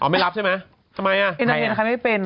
อ๋อไม่รับใช่มั้ยทำไมอ่ะ